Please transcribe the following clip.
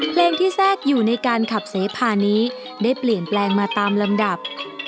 เพลงที่แทรกอยู่ในการขับเสพานี้ได้เปลี่ยนแปลงมาตามลำดับ